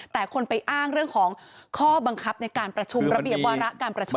แต่คนไปอ้างเรื่องของข้อบังคับในการประชุมระเบียบวาระการประชุม